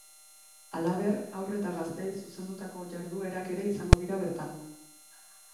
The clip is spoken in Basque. Halaber, haur eta gazteei zuzendutako jarduerak ere izango dira bertan.